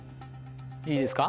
いいですか？